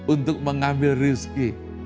untuk mengambil rizki dan berkumpulkan ke dunia ini